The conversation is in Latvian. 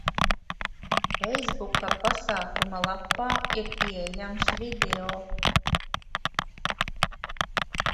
Feisbuka pasākuma lapā ir pieejams video.